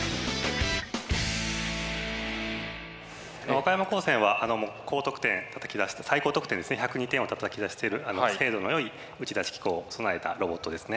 和歌山高専は高得点たたき出して最高得点ですね１０２点をたたき出している精度の良い打ち出し機構を備えたロボットですね。